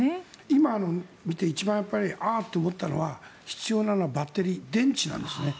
今見て一番、ああと思ったのは必要なのはバッテリー電池なんですね。